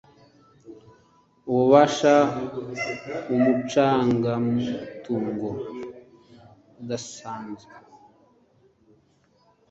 ububasha umucungamutungo udasanzwe